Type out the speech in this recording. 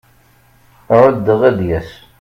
Ɛuddeɣ ad d-yas.